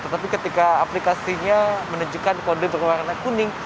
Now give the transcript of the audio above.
tetapi ketika aplikasinya menunjukkan kode berwarna kuning